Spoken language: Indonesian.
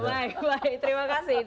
oke baik terima kasih